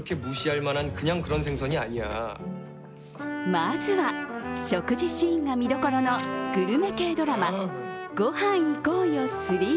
まずは、食事シーンが見どころのグルメ系ドラマ「ゴハン行こうよ３」。